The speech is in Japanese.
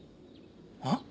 あっ？